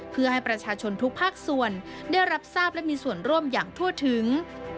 เพื่อให้ประชาชนทุกภาคส่วนได้รับทราบและมีส่วนร่วมอย่างทั่วถึง